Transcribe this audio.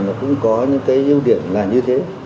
nó cũng có những cái ưu điểm là như thế